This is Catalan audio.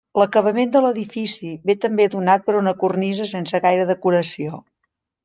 L'acabament de l'edifici ve també donat per una cornisa sense gaire decoració.